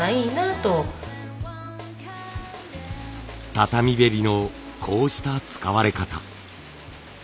畳べりのこうした使われ方。